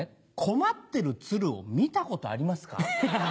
困ってる鶴を見たことありますか？